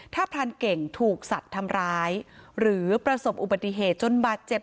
ถ้าพรานเก่งถูกสัตว์ทำร้ายหรือประสบอุบัติเหตุจนบาดเจ็บ